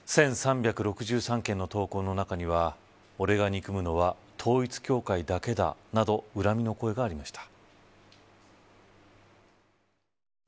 １３６３件の投稿の中には俺が憎むのは統一教会だけだなど恨みの声がありました。